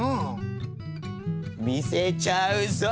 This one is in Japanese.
見せちゃうぞ。